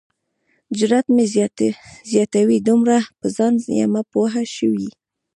جرات مې زیاتوي دومره په ځان یمه پوه شوی.